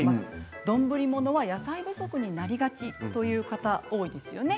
丼ものは野菜不足になりがちという方は多いですよね。